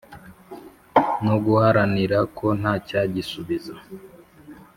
No guharanira ko ntacyagisubiza